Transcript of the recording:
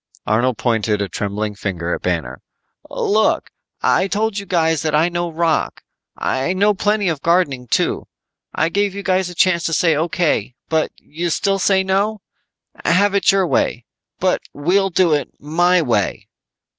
Arnold pointed a trembling finger at Banner. "Look, I told you that I know rock. I know plenty of gardening, too. I gave you guys a chance to say O.K. You still say no? Have it your way, but we'll do it my way."